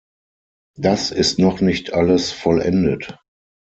Das ist noch nicht alles vollendet.